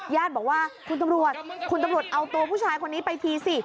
ญาติบอกว่าคุณตำรวจคุณตำรวจเอาตัวผู้ชายคนนี้ไปทีสิ